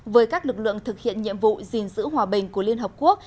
với các lực lượng thực hiện nhiệm vụ gìn giữ hòa bình của liên hợp quốc